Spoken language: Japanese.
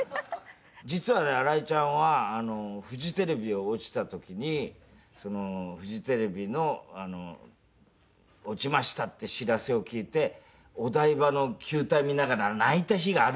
実はね新井ちゃんはフジテレビを落ちた時にそのフジテレビの「落ちました」って知らせを聞いてお台場の球体見ながら泣いた日があるんだよ。